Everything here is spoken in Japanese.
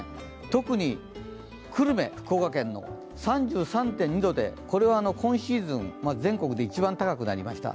特に福岡の久留米、３３．２度でこれは今シーズン、全国で一番高くなりました。